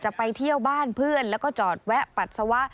ไปเที่ยวบ้านเพื่อนแล้วก็จอดแวะปัสสาวะ